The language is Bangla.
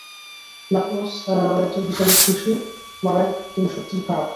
নাকলস নামের একজন হিসাবে ঘুষি মারায় তুমি সত্যিই খারাপ।